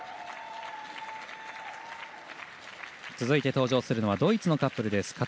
続いて登場するのはドイツのカップルです。